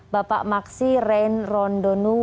bapak maksi reyn rondonu